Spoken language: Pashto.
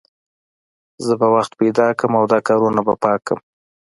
زه به وخت پیدا کړم او دا کارونه به پاک کړم